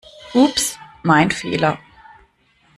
Ups, mein Fehler!